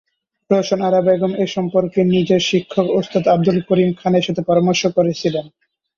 রোশন আরা বেগম এ সম্পর্কে নিজের শিক্ষক ওস্তাদ আবদুল করিম খানের সাথে পরামর্শ করেছিলেন।